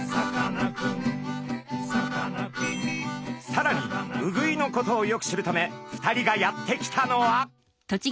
さらにウグイのことをよく知るため２人がやって来たのは。